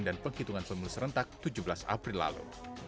dan penghitungan pemilu serentak tujuh belas april lalu